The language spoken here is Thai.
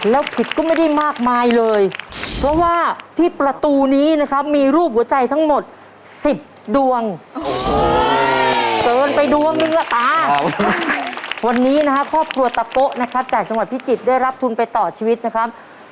แล้วผิดก็ไม่ได้มากมายเลยเพราะว่าที่ประตูนี้นะครับมีรูปหัวใจทั้งหมด๑๐ดวงเกินไปดวงนึงล่ะตาวันนี้นะครับครอบครัวตะโป๊ะนะครับจากจังหวัดพิจิตรได้รับทุนไปต่อชีวิตนะครับ